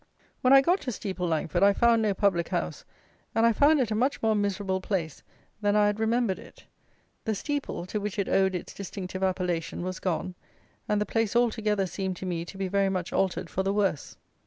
When I got to Steeple Langford, I found no public house, and I found it a much more miserable place than I had remembered it. The Steeple, to which it owed its distinctive appellation, was gone; and the place altogether seemed to me to be very much altered for the worse.